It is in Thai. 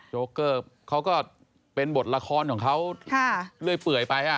โกเกอร์เขาก็เป็นบทละครของเขาเรื่อยเปื่อยไป